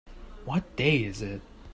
What day is it?